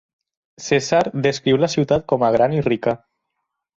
Cèsar descriu la ciutat com a gran i rica.